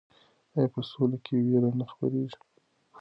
آیا په سوله کې ویره نه خپریږي؟